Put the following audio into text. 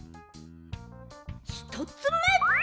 ひとつめ。